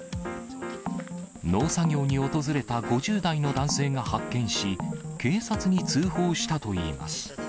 農作業に訪れた５０代の男性が発見し、警察に通報したといいます。